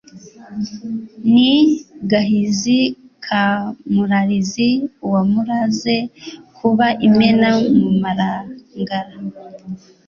Ni Gahizi ka Murarizi wamuraze kuba imena mu Marangara.